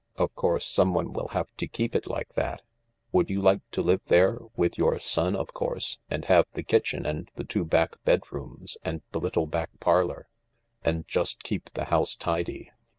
Of course someone will have to keep it like that. Would you like to live there, with your son, of course, and have the kitchen and the two back bedrooms and the little back parlour, and just keep the house tidy